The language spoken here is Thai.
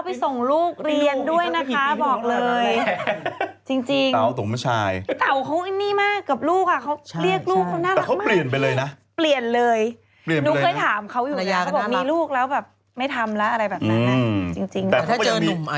มีอากาศจะไม่เจอโผล่นอกรายการเลยใช่ไหม